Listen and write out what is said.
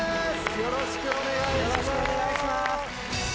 よろしくお願いします。